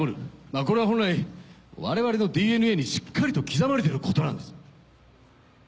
まぁこれは本来我々のＤＮＡにしっかりと刻まれてることなんです。